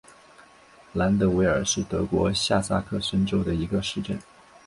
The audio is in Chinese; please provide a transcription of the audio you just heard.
兰德韦尔是德国下萨克森州的一个市镇。